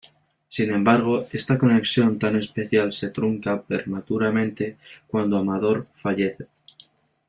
Sin embargo, esta conexión tan especial se trunca prematuramente cuando Amador fallece.